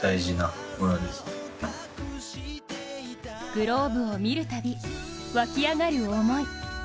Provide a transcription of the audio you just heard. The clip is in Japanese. グローブを見るたび、湧き上がる思い。